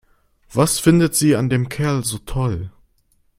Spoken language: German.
Was findet sie an dem Kerl so toll?